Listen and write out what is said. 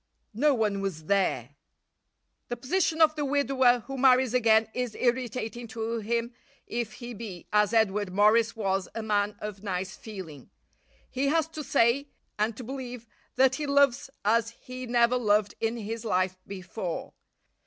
No one was there. The position of the widower who marries again is irritating to him if he be, as Edward Morris was, a man of nice feeling. He has to say, and to believe, that he loves as he never loved in his life before.